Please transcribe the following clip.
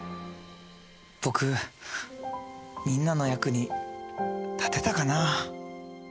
僕みんなの役に立てたかな？